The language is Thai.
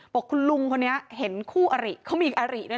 บอกคนนี้มีคุณลุงเห็นแอรี